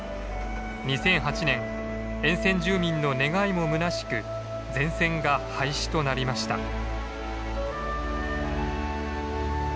２００８年沿線住民の願いもむなしく全線が廃止となりました。